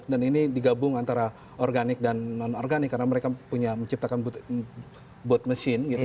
dan ini digabung antara organik dan non organik karena mereka punya menciptakan boot machine